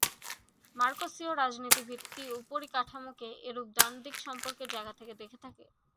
মার্কসীয় রাজনীতি ভিত্তি-উপরিকাঠামোকে এইরূপ দ্বান্দ্বিক সম্পর্কের জায়গা থেকে দেখে থাকে।